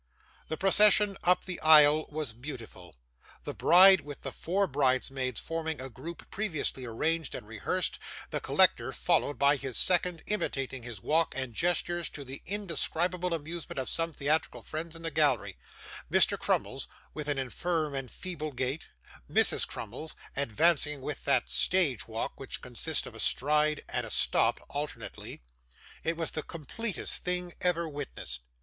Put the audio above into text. The procession up the aisle was beautiful. The bride, with the four bridesmaids, forming a group previously arranged and rehearsed; the collector, followed by his second, imitating his walk and gestures to the indescribable amusement of some theatrical friends in the gallery; Mr. Crummles, with an infirm and feeble gait; Mrs. Crummles advancing with that stage walk, which consists of a stride and a stop alternately it was the completest thing ever witnessed.